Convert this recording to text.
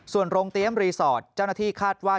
ส่วนโรงเตรียมรีสอร์ทเจ้าหน้าที่คาดว่า